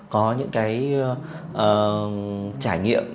có những cái trải nghiệm